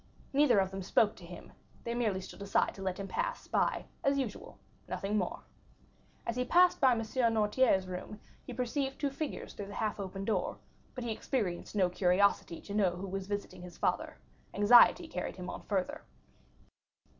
Neither of them spoke to him; they merely stood aside to let him pass by, as usual, nothing more. As he passed by M. Noirtier's room, he perceived two figures through the half open door; but he experienced no curiosity to know who was visiting his father; anxiety carried him on further.